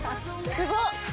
すごっ！